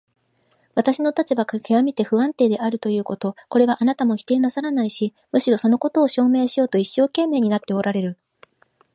私の立場がきわめて不安定であるということ、これはあなたも否定なさらないし、むしろそのことを証明しようと一生懸命になっておられる。